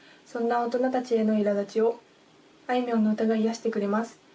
そんな大人たちへのいらだちをあいみょんの歌が癒やしてくれます。